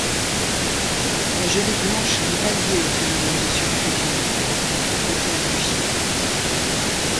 La gelée blanche n'est pas liée au phénomène de surfusion, au contraire du givre.